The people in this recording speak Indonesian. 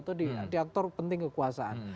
dan dikunci atau di aktor penting kekuasaan